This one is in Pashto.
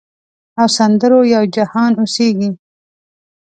او سندرو یو جهان اوسیږې